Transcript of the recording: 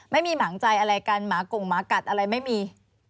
ไม่มีหมางใจอะไรกันหมากงหมากัดอะไรไม่มี